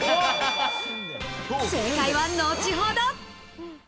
正解は後ほど。